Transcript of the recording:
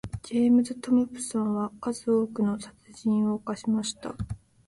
ジェームズトムプソンは数多くの殺人を犯しました。